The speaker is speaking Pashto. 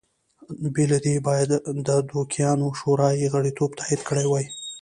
بې له دې باید د دوکیانو شورا یې غړیتوب تایید کړی وای